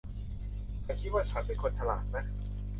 ฉันคิดว่าฉันเป็นคนฉลาดนะ